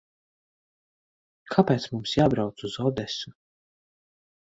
Kāpēc mums jābrauc uz Odesu?